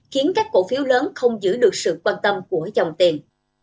khiến các cổ phiếu lớn không giữ được sự quan tâm của dòng tiền